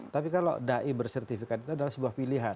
tapi kalau dai bersertifikat itu adalah sebuah pilihan